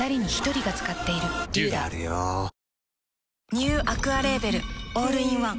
ニューアクアレーベルオールインワン